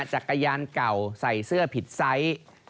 จักรยานเก่าใส่เสื้อผิดไซส์